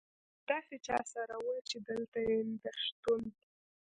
له داسې چا سره وه، چې دلته یې د شتون.